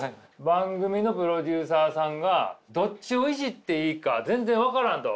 番組のプロデューサーさんがどっちをイジっていいか全然分からんと。